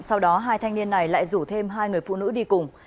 sau đó hai thanh niên này lại rủ thêm hai người phụ nữ đi cùng